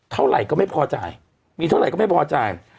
เท่าไหร่ก็ไม่พอจ่ายมีเท่าไหร่ก็ไม่พอจ่าย